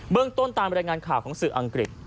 เรื่องต้นตามรายงานข่าวของสื่ออังกฤษ